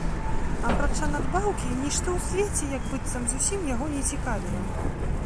Апрача надбаўкі, нішто ў свеце, як быццам, зусім яго не цікавіла.